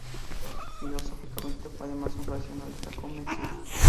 Filosóficamente, fue además, un racionalista convencido.